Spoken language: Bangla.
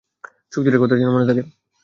চুক্তিটার কথা যেন মনে থাকে!